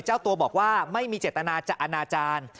เจ้าตัวบอกว่าไม่มีเจตนาจะอนาจารย์